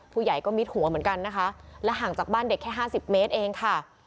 ผู้ใหญ่ก็มิดหัวเหมือนกันนะคะและห่างจากบ้านเด็กแค่ห้าสิบเมตรเองค่ะ